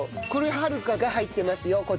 これはるかが入ってますよ